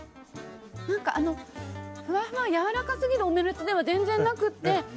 ふわふわやわらかすぎるオムレツでは全然なくて。